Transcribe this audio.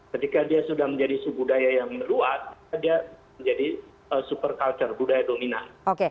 ketika dia sudah menjadi subudaya yang luas dia menjadi super culture budaya dominan